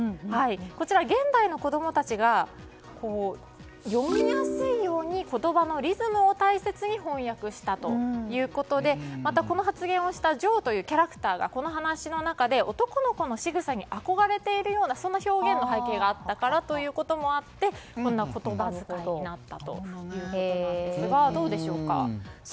こちら現代の子供たちが読みやすいように言葉のリズムを大切に翻訳したということでまた、この発言をしたジョーというキャラクターがこの話の中で男の子のしぐさに憧れているようなそんな表現の背景があったからということもあってこんな言葉遣いになったということですがどうでしょうか。